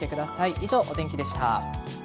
以上、お天気でした。